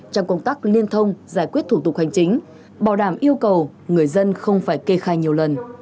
trong công tác liên thông giải quyết thủ tục hành chính bảo đảm yêu cầu người dân không phải kê khai nhiều lần